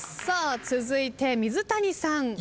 続いて水谷さん。